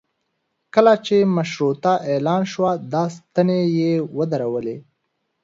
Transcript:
کله چې مشروطه اعلان شوه دا ستنې یې ودرولې.